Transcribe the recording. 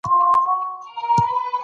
ایا پاڼه له ونې څخه خواړه ترلاسه کوي؟